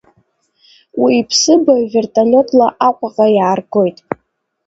Уи иԥсыбаҩ вертолиотла Аҟәаҟа иааргоит.